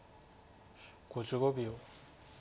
５５秒。